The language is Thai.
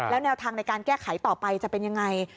แล้วแนวทางในการแก้ไขต่อไปจะเป็นยังไง